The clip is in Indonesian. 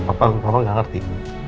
apa kamu gak ngerti